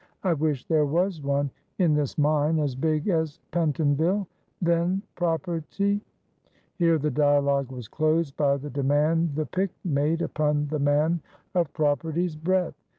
I wish there was one in this mine as big as Pentonville, then property " Here the dialogue was closed by the demand the pick made upon the man of property's breath.